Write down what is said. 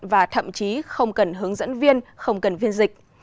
và thậm chí không cần hướng dẫn viên không cần viên dịch